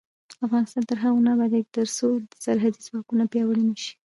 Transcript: افغانستان تر هغو نه ابادیږي، ترڅو سرحدي ځواکونه پیاوړي نشي.